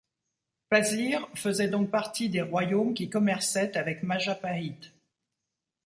Pasir faisait donc partie des royaumes qui commerçaient avec Majapahit.